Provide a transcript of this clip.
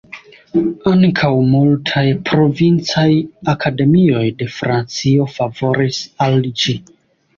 Ankaŭ multaj provincaj akademioj de Francio favoris al ĝi.